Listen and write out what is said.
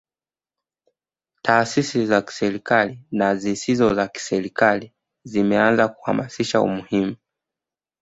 Taasisi za kiserikali na zile zisizokuwa za kiserikali zimeanza kuhamasisha umuhimu